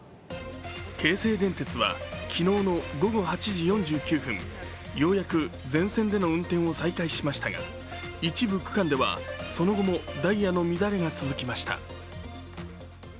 京成電鉄は昨日の午後８時４９分、ようやく全線での運転を再開しましたが、一部区間ではその後もダイヤの乱れが続きました。